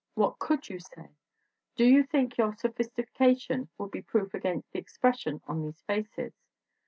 What could you say? Do you think your sophistication would be proof against the expression on these faces?